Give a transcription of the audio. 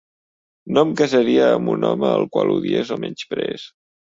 No em casaria amb un home al qual odiés o menyspreés.